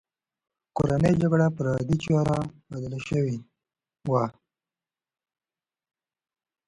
کورنۍ جګړه پر عادي چاره بدله شوې وه.